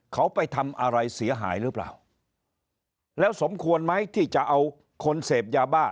เขาไปทำอะไรเสียหายหรือเปล่าแล้วสมควรไหมที่จะเอาคนเสพยาบ้า